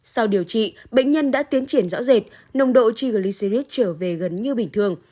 sau điều trị bệnh nhân đã tiến triển rõ rệt nồng độ triglycid trở về gần như bình thường